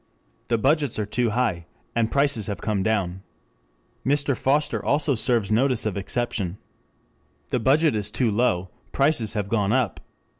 The budgets are too high, and prices have come down. Mr. Foster also serves notice of exception. The budget is too low, prices have gone up.